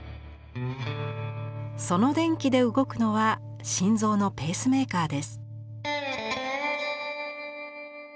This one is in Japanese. その電気で動くのは心臓のペースメーカーです。